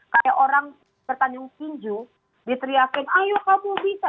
kayak orang bertanyung pinju diteriakan ayo kamu bisa